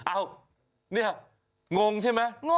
อ้าวนี่ค่ะงงใช่ไหม